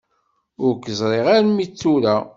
Ur k-ẓriɣ armi d tura.